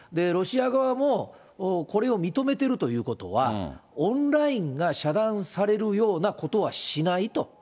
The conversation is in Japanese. ロシア側もこれを認めてるということは、オンラインが遮断されるようなことはしないと。